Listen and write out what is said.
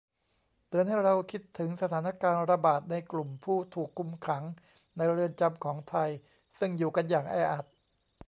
เตือนให้เราคิดถึงสถานการณ์ระบาดในกลุ่มผู้ถูกคุมขังในเรือนจำของไทย ซึ่งอยู่กันอย่างแออัด